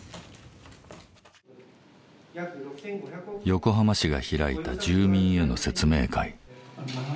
横浜市が開いた住民への説明会。